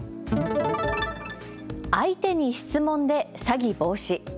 相手に質問で詐欺防止。